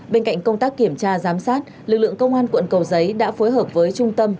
bên cạnh công tác kiểm tra giám sát lực lượng công an quận cầu giấy đã phối hợp với trung tâm